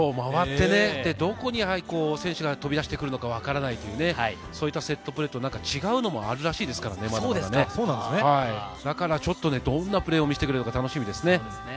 回って、どこに選手が飛び出してくるのか分からないという、そういったセットプレーと違うのもあるらしいですからね、ちょっとどんなプレーを見せてくれるか楽しみです。